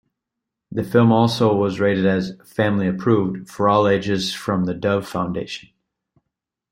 The film also was rated as "Family-Approved" for all ages from the Dove Foundation.